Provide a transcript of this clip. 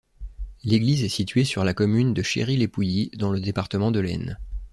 L'église est située sur la commune de Chéry-lès-Pouilly, dans le département de l'Aisne.